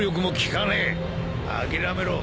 諦めろ。